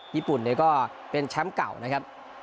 ญี่ปุ่นเนี่ยก็เป็นแชมป์เก่านะครับ